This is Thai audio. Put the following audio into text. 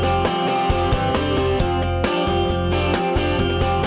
ติ้ง